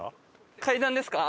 階段ですか？